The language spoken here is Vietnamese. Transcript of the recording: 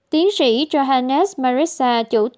tiến sĩ johannes marissa chủ tịch đại học kwazulu nata cho biết